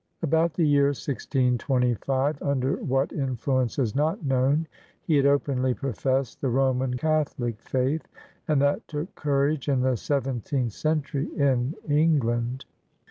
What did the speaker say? About the year 1625, under what influence is not known, he had openly professed the Roman Catholic faith — and that took courage in the seventeenth century, in England!